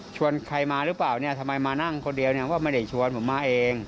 ชวนใครมาหรือไม่ไดะถามคนเดียวว่าไม่ไดะคิดตามผมมาเอง